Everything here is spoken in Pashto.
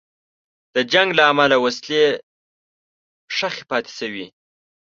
د جنګ له امله وسلې ښخي پاتې شوې.